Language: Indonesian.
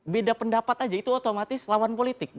beda pendapat aja itu otomatis lawan politik